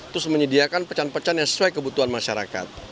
terus menyediakan pecahan pecahan yang sesuai kebutuhan masyarakat